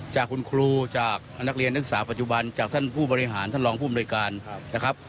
จากคุณครูจากนักเรียนนักศึกษาปัจจุบันจากท่านผู้บริหารท่านรองผู้อำนวยการนะครับ